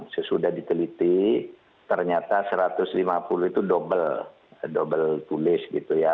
sesudah diteliti ternyata satu ratus lima puluh itu double double tulis gitu ya